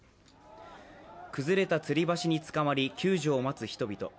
崩れたつり橋につかまり、救助を待つ人々。